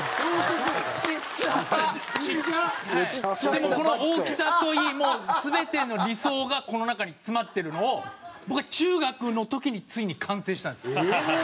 でもこの大きさといいもう全ての理想がこの中に詰まってるのを僕は中学の時についに完成したんですこれを。